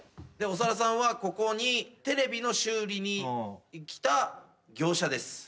長田さんはここにテレビの修理に来た業者です。